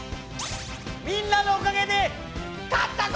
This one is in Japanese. みんなのおかげで勝ったぞ！